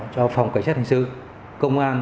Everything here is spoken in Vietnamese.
cho phòng cảnh sát hình sự công an